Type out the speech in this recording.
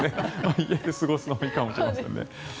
家で過ごすのがいいかもしれませんね。